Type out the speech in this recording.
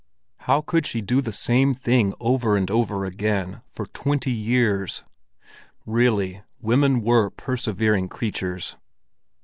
How could she do the same thing over and over again for twenty years? Really women were persevering creatures!